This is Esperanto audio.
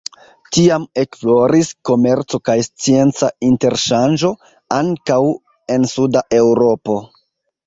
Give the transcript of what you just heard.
Tiam ekfloris komerco kaj scienca interŝanĝo, ankaŭ en suda Eŭropo.